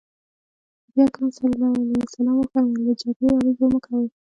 نبي کريم ص وفرمايل له جګړې ارزو مه کوئ.